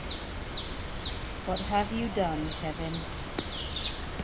What have you done Kevin?